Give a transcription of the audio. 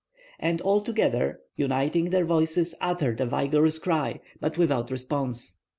And all together, uniting their voices, uttered a vigorous cry, but without response.